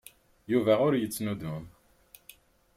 Yuba ur yettnuddum.